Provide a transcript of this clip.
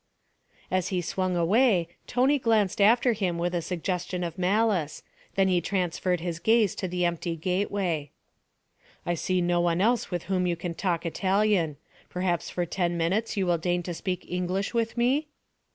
As he swung away Tony glanced after him with a suggestion of malice, then he transferred his gaze to the empty gateway. 'I see no one else with whom you can talk Italian. Perhaps for ten minutes you will deign to speak English with me?'